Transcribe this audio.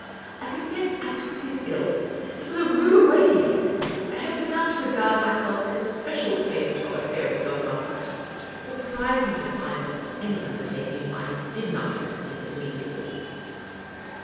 I confess I took this ill. It was a rude awakening. I had begun to regard myself as the special favourite of a fairy godmother ; it surprised me to find that any undertaking of mine did not succeed immediately.